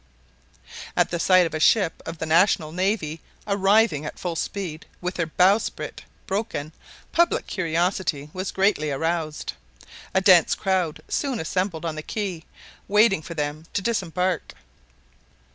At the sight of a ship of the national navy arriving at full speed, with her bowsprit broken, public curiosity was greatly roused. A dense crowd soon assembled on the quay, waiting for them to disembark.